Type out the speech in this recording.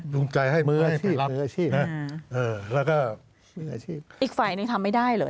จูงใจให้มืออาชีพแล้วก็อีกฝ่ายนึงทำไม่ได้หรือ